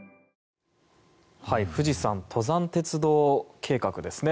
富士山登山鉄道計画ですね。